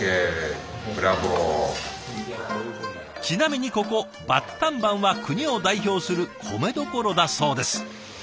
ちなみにここバッタンバンは国を代表する米どころだそうです。